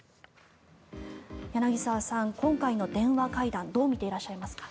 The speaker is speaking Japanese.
柳澤さん、今回の電話会談どう見ていらっしゃいますか。